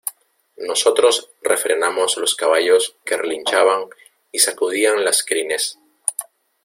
nosotros refrenamos los caballos que relinchaban y sacudían las crines.